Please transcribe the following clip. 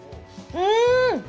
うん。